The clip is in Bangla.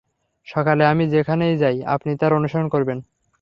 সকালে আমি যেখানেই যাই আপনি তার অনুসরণ করবেন।